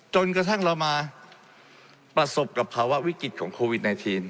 จนกระทั่งเรามาประสบกับภาวะวิกฤตของโควิด๑๙